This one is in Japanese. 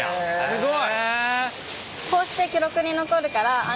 すごい。